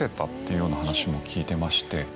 いうような話も聞いてまして。